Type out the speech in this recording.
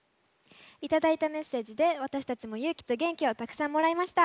頂いたメッセージで私たちも勇気と元気をたくさんもらいました。